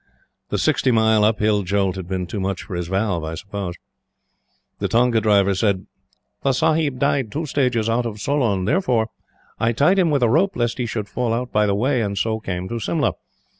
The sixty mile up hill jolt had been too much for his valve, I suppose. The tonga driver said: "The Sahib died two stages out of Solon. Therefore, I tied him with a rope, lest he should fall out by the way, and so came to Simla.